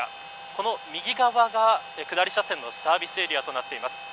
その右側が下り車線のサービスエリアとなっています。